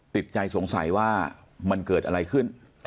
ติดใจสงสัยว่ามันเกิดอะไรขึ้น